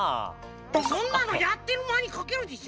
そんなのやってるまにかけるでしょ。